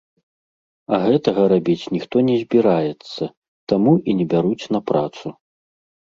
А гэтага рабіць ніхто не збіраецца, таму і не бяруць на працу.